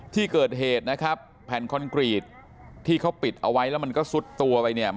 ที่เกิดเหตุนะครับแผ่นคอนกรีตที่เขาปิดเอาไว้แล้วมันก็ซุดตัวไปเนี่ย